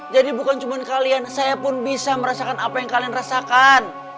jadi bukan cuma kalian saya pun bisa merasakan apa yang kalian rasakan